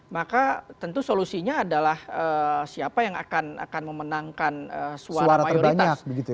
maka tentu solusinya adalah siapa yang akan memenangkan suara mayoritas